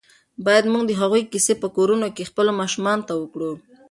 باید موږ د هغوی کیسې په کورونو کې خپلو ماشومانو ته وکړو.